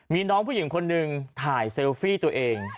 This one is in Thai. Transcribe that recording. มีน้องผู้หญิงคนหนึ่งถ่ายเซลฟี่ตัวเอง